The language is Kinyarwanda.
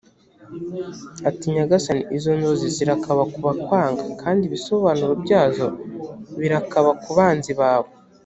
ati nyagasani izo nzozi zirakaba ku bakwanga kandi ibisobanuro byazo birakaba ku banzi bawe